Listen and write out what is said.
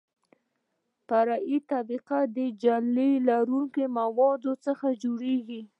فرعي طبقه د جغل لرونکو موادو څخه جوړیږي